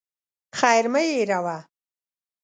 خير مه هېروه.